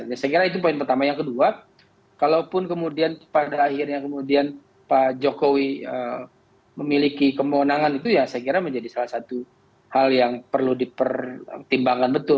saya kira itu poin pertama yang kedua kalaupun kemudian pada akhirnya kemudian pak jokowi memiliki kemenangan itu ya saya kira menjadi salah satu hal yang perlu dipertimbangkan betul